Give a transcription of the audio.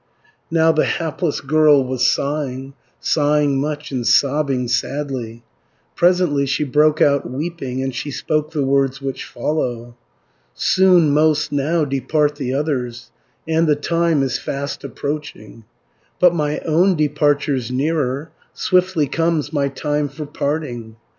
Now the hapless girl was sighing, Sighing much, and sobbing sadly; Presently she broke out weeping, And she spoke the words which follow: 300 "Soon most now depart the others, And the time is fast approaching, But my own departure's nearer, Swiftly comes my time for parting.